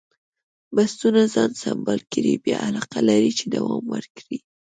بنسټونه ځان سمبال کړي بیا علاقه لري چې دوام ورکړي.